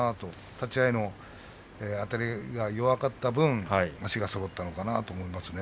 立ち合いのあたりが弱かった分足がそろったのかなと思いますね。